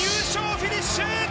フィニッシュ！